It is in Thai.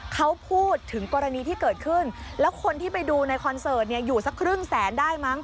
เขาพูดถึงกรณีที่เกิดขึ้นแล้วคนที่ไปดูในคอนเสิร์ตเนี่ยอยู่สักครึ่งแสนได้มั้ง